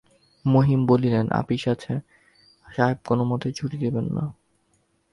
মহিম বলিলেন, আপিস আছে, সাহেব কোনোমতেই ছুটি দিবে না।